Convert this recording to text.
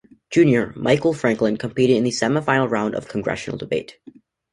Junior, Michael Franklin competed in the semi-final round of Congressional Debate.